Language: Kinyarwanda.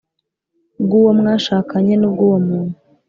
Bw uwo mwashakanye n ubw uwo muntu